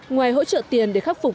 ngoài hỗ trợ tiền để khắc phục